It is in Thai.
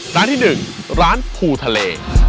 ร้านที่๑ร้านภูทะเล